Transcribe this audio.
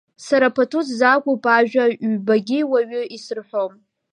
Сара пату сзақәуп ажәа, ҩбагьы уаҩы исырҳәом.